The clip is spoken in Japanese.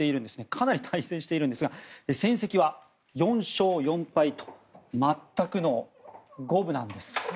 かなり対戦していますが戦績は４勝４敗と全くの五分なんです。